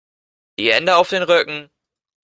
Die Hände auf den Rücken!